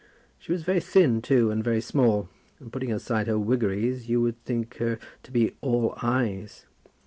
She was very thin, too, and very small, and putting aside her wiggeries, you would think her to be all eyes.